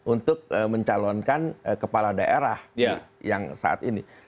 untuk mencalonkan kepala daerah yang saat ini